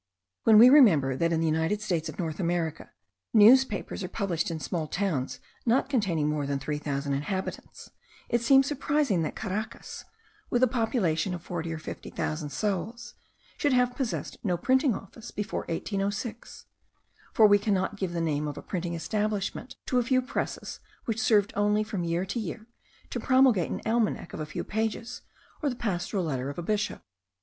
When we remember, that in the United States of North America, newspapers are published in small towns not containing more than three thousand inhabitants, it seems surprising that Caracas, with a population of forty or fifty thousand souls, should have possessed no printing office before 1806; for we cannot give the name of a printing establishment to a few presses which served only from year to year to promulgate an almanac of a few pages, or the pastoral letter of a bishop.